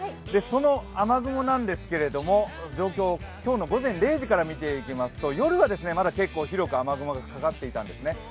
その雨雲ですけど、今日の午前０時から見ていきますと夜はまだ広く雨雲がかかっていたんですよね。